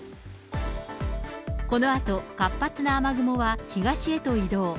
このあと活発な雨雲は東へと移動。